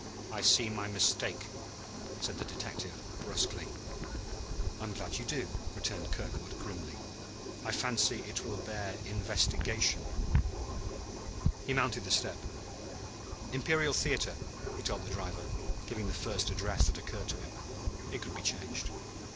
I see my mistake," said the detective brusquely. "I am glad you do," returned Kirkwood grimly. "I fancy it will bear investigation." He mounted the step. "Imperial Theater," he told the driver, giving the first address that occurred to him; it could be changed.